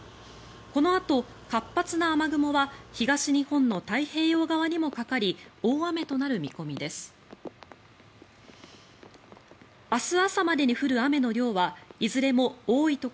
このあと、活発な雨雲は東日本の太平洋側にもかかり大雨となる見込みです。